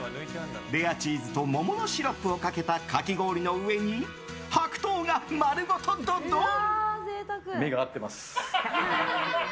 レアチーズと桃のシロップをかけたかき氷の上に白桃が丸ごとドドーン。